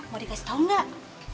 mau dikasih tau gak